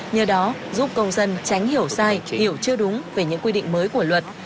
nhờ đó giúp công dân tránh hiểu sai hiểu chưa đúng về những quy định mới của luật